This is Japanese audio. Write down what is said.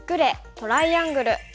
トライアングル」。